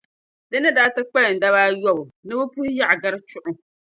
Di ni daa ti kpalim daba ayɔbu ni bɛ puhi Yaɣigari Chuɣu.